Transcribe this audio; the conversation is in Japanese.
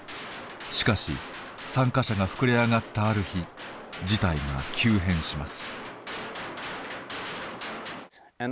しかし参加者が膨れあがったある日事態が急変します。